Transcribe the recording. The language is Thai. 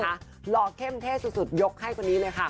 หล่อเข้มเท่สุดยกให้คนนี้เลยค่ะ